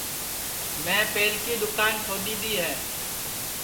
میں پہلکی دؔوکان چھوڈؔی دؔی ہے